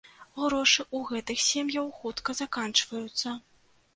Грошы ў гэтых сем'яў хутка заканчваюцца.